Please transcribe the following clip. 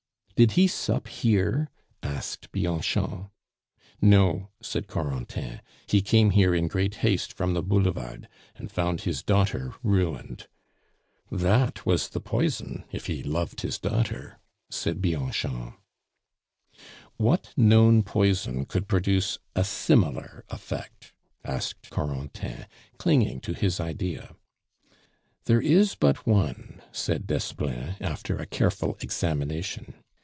"Did he sup here?" asked Bianchon. "No," said Corentin; "he came here in great haste from the Boulevard, and found his daughter ruined " "That was the poison if he loved his daughter," said Bianchon. "What known poison could produce a similar effect?" asked Corentin, clinging to his idea. "There is but one," said Desplein, after a careful examination.